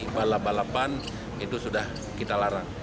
balap balapan itu sudah kita larang